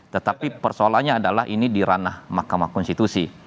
tetapi persoalannya adalah ini di ranah mahkamah konstitusi